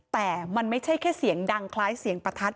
แต่มันไม่ใช่แค่เสียงดังคล้ายเสียงประทัด